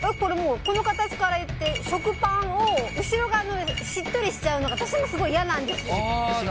この形から言って食パンの後ろ側がしっとりしちゃうのが私もすごい嫌なんですよ。